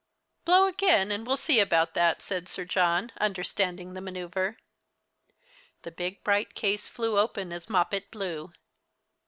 "Blow again, and we'll see about that," said Sir John, understanding the manoeuvre. The big bright case flew open as Moppet blew.